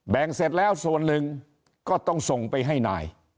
เสร็จแล้วส่วนหนึ่งก็ต้องส่งไปให้นาย